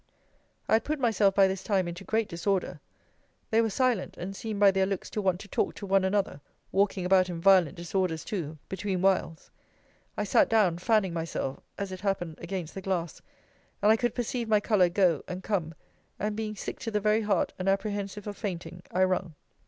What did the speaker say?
I had put myself by this time into great disorder: they were silent, and seemed by their looks to want to talk to one another (walking about in violent disorders too) between whiles. I sat down fanning myself, (as it happened, against the glass,) and I could perceive my colour go and come; and being sick to the very heart, and apprehensive of fainting, I rung.